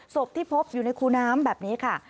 ศพที่พบอยู่ในคูน้ำแบบนี้ค่ะ